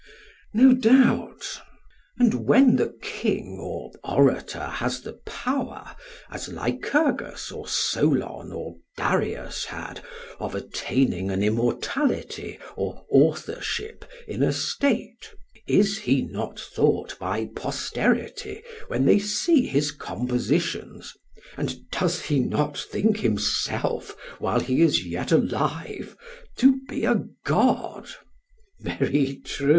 PHAEDRUS: No doubt. SOCRATES: And when the king or orator has the power, as Lycurgus or Solon or Darius had, of attaining an immortality or authorship in a state, is he not thought by posterity, when they see his compositions, and does he not think himself, while he is yet alive, to be a god? PHAEDRUS: Very true.